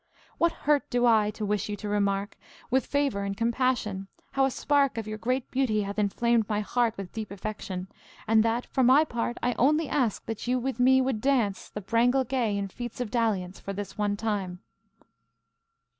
What hurt do I, to wish you to remark, With favour and compassion, how a spark Of your great beauty hath inflamed my heart With deep affection, and that, for my part, I only ask that you with me would dance The brangle gay in feats of dalliance, For this one time?